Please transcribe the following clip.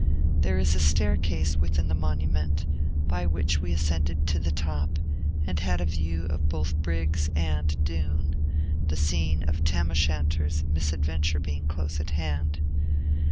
There is a staircase within the monument, by which we ascended to the top, and had a view of both Briggs of Doon; the scene of Tam O'Shanter's misadventure being close at hand.